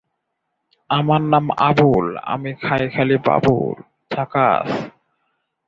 এই হাড়ের ফলকের কার্যকারিতা অজানা।